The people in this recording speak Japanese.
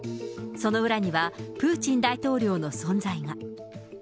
その裏にはプーチン大統領の存在が。